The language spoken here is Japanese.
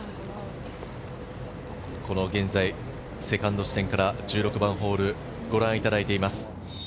現在、セカンド地点から１６番ホールをご覧いただいています。